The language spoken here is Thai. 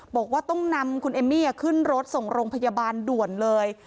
บอกว่าต้องนำคุณเอมมี่ขึ้นรถส่งโรงพยาบาลด่วนเลย